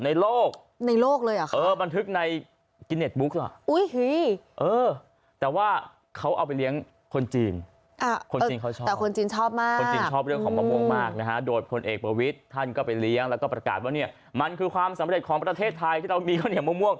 อาหารไทยอร่อยบ้างล่ะแล้วก็ข้าวเหนียวมะม่วงใช่ไหม